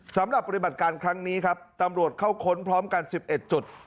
สำหรับปฏิบัติการครั้งนี้ครับตำรวจเข้าค้นพร้อมกัน๑๑จุด